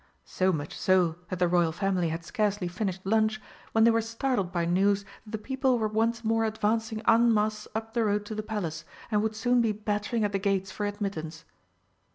So much so that the Royal Family had scarcely finished lunch when they were startled by news that the people were once more advancing en masse up the road to the Palace, and would soon be battering at the gates for admittance.